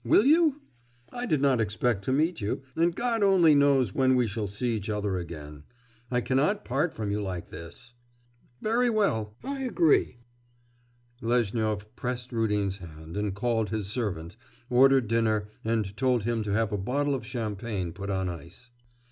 Will you? I did not expect to meet you, and God only knows when we shall see each other again. I cannot part from you like this!' 'Very well, I agree!' Lezhnyov pressed Rudin's hand, and calling his servant, ordered dinner, and told him to have a bottle of champagne put in ice.